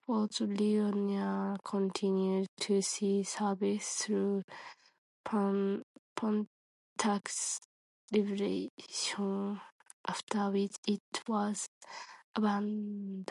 Fort Ligonier continued to see service through Pontiac's Rebellion, after which it was abandoned.